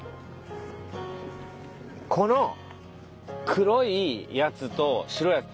この黒いやつと白いやつ